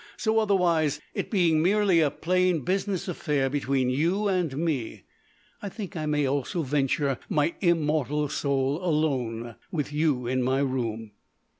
"So, otherwise, it being merely a plain business affair between you and me, I think I may also venture my immortal soul alone with you in my room."